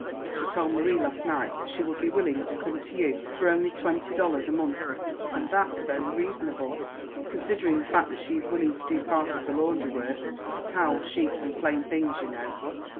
She told Marie last night that she would be willing to come to you for only twenty dollars a month, and that's very reasonable, considering the fact that she is willing to do part of the laundry work, the towels, sheets and plain things, you know.